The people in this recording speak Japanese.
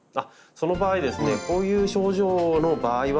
その場合ですねこういう症状の場合はですね